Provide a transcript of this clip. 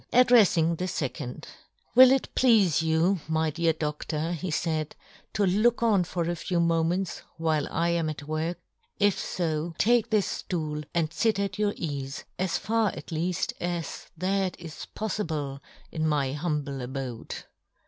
Addrefs ing the fecond, " Will it pleafe you, " my dear Dodior," he faid, " to look " on for a few moments while I am " at work ? If fo, take this ftool, and " fit at your eafe, as far at leaft as " that is poffible in my humble abode.